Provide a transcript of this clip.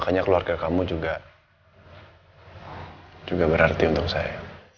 makanya keluarga kamu juga berarti untuk saya